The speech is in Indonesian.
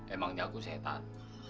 emang nyaku setan